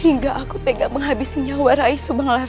hingga aku tidak menghabisi nyawa raisa banglar